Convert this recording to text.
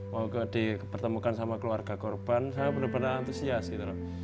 mau dipertemukan sama keluarga korban saya benar benar antusias gitu loh